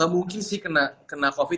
mungkin sih kena covid